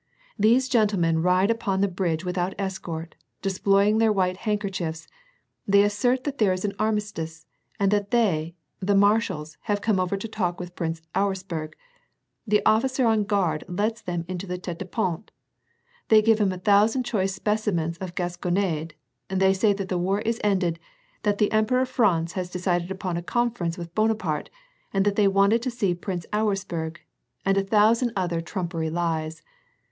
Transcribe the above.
These gentlemen ride upon the bridge without escort, displaying their white handkerchiefs ; they assert that there is an armistice, and that they, the mar shals, have come over to talk with Prince Auersperg. The officer on guard lets them into the tete de pant. They give him a thousand choice speciments of gasconade ; they say that the war is ended, that the Emperor Franz has decided upon a conference with Bonaparte, that they wanted to see Prince Auersperg, and a thousand other trumpery lies.